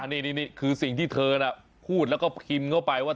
นี่คือสิ่งที่เธอน่ะพูดแล้วก็พิมพ์เข้าไปว่า